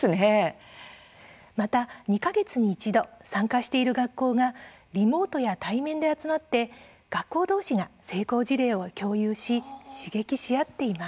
また２か月に一度参加している学校がリモートや対面で集まって学校同士が成功事例を共有し刺激し合っています。